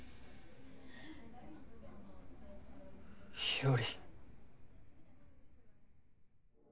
日和。